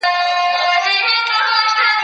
زه له سهاره بازار ته ځم